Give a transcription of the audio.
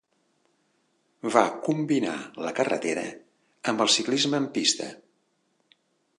Va combinar la carrereta amb el ciclisme en pista.